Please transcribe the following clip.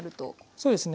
そうですね。